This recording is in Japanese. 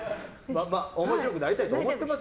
面白くなりたいと思ってますよ。